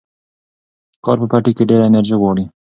کار په پټي کې ډېره انرژي غواړي.